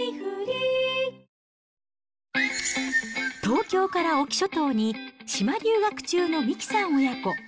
東京から隠岐諸島に、島留学中の三木さん親子。